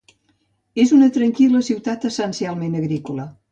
És una tranquil·la ciutat essencialment agrícola.